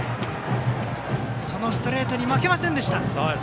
そのストレートに負けませんでした。